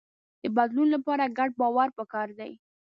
د بدلون لپاره ګډ باور پکار دی.